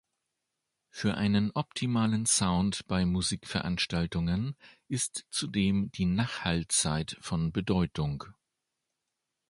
Für einen optimalen Sound bei Musikveranstaltungen ist zudem die Nachhallzeit von Bedeutung.